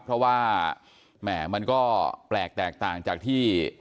เพราะว่าแหม่มันก็แปลกแตกต่างจากที่